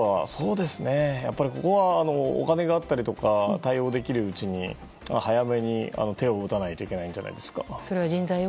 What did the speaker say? ここはお金があったりとか対応ができるうちに早めに手を打たないといけないんじゃないですか。